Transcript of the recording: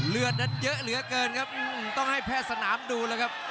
เลือดนั้นเยอะเหลือเกินครับต้องให้แพทย์สนามดูแล้วครับ